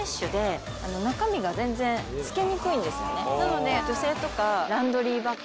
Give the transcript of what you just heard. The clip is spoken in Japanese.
なので。